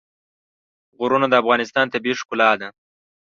غرونه د افغانستان طبیعي ښکلا ده.